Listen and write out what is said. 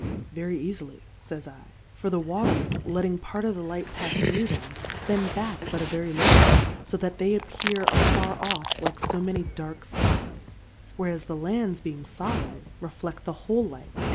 Very eafily, /^jj' /> for the Wa ters letting part of the Light pafs thro' them, fend back but a very Httle, fo that they appear afar off like fo many dark Spots ; whereas the Lands being folid, reflefl: the whole Light, and.